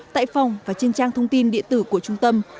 tại phòng và trên trang thông tin địa tử của trung tâm